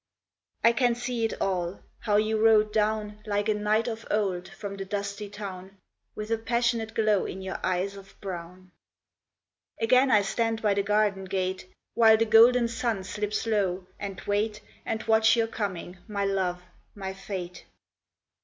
I can see it all how you rode down Like a knight of old, from the dusty town, With a passionate glow in your eyes of brown. Again I stand by the garden gate, While the golden sun slips low, and wait And watch your coming, my love, my fate.